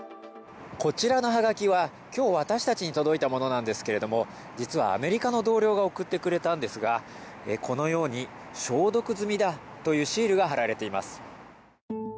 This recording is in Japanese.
こちらのはがきは今日、私たちに届いたものなんですけれども実はアメリカの同僚が送ってくれたんですが、このように消毒済みだというシールが貼られています。